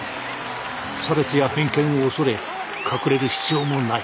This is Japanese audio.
差別や偏見を恐れ隠れる必要もない。